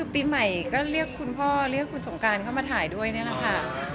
ปีใหม่ก็เรียกคุณพ่อเรียกคุณสงการเข้ามาถ่ายด้วยนี่แหละค่ะ